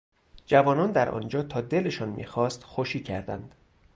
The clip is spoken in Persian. جوانان در آنجا تا دلشان میخواست خوشی کردند.